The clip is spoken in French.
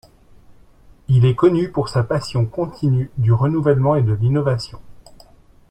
Il est connu pour sa passion continue du renouvellement et de l'innovation.